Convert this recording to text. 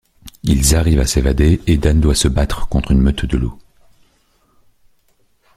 Ils arrivent à s'évader, et Dane doit se battre contre une meute de loups.